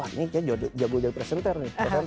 ini kayaknya jago jadi presenter nih